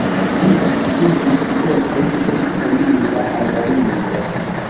Li okupiĝis ĉefe pri kemia analizo.